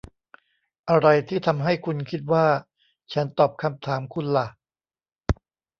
อะไรที่ทำให้คุณคิดว่าฉันตอบคำถามคุณล่ะ